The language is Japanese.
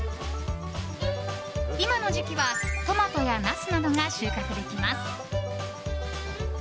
今の時期はトマトやナスなどが収穫できます。